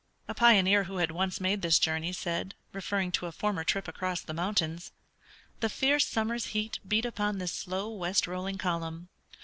A pioneer who had once made this journey said, referring to a former trip across the mountains, "The fierce summer's heat beat upon this slow west rolling column.